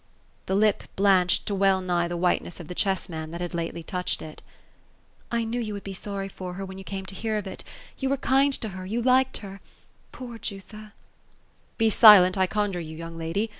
The lip blanched to well nigh the whiteness of the chess man that had lately touched it *' I knew you would be sorry for her, when you came to hear of it. You were kind to her ; you liked her. Poor Jutha !"'* Be silent, I conjure you, young lady.